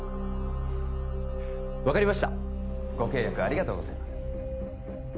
分かりましたご契約ありがとうございます